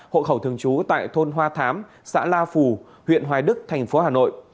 hộ khẩu thường trú tại thôn hoa thám xã la phù huyện hoài đức thành phố hà nội